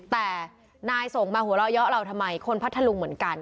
แต่นายส่งมาหัวเราะเยาะเราทำไมคนพัทธลุงเหมือนกัน